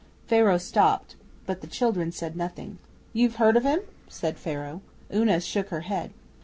Pharaoh stopped, but the children said nothing. 'You've heard of him?' said Pharaoh. Una shook her head.